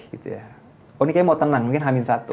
oh ini kayaknya mau tenang mungkin hamin satu